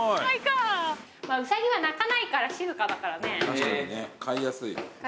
確かにね飼いやすい。